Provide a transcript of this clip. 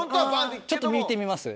ちょっと見てみます？